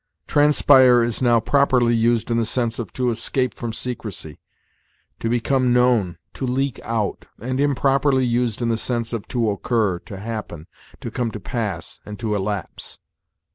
Transpire is now properly used in the sense of to escape from secrecy, to become known, to leak out; and improperly used in the sense of to occur, to happen, to come to pass, and to elapse.